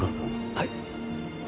はい。